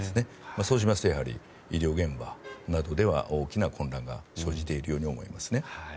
そうしますと医療現場などでは大きな混乱が生じているように思いますね。